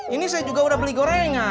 ini saya juga udah beli gorengan